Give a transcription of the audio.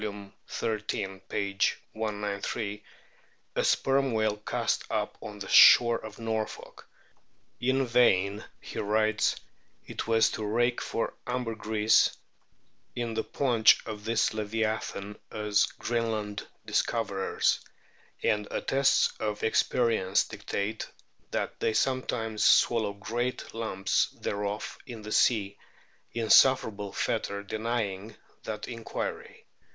xxxiii., p. 193) a Sperm whale cast up on the shore of Norfolk. "In vain," he writes, "it was to rake for ambergriese in the paunch of this leviathan, as Greenland discoverers, and attests of experience dictate, that they sometimes swallow great lumps thereof in the sea insufferable fetor denying that inquiry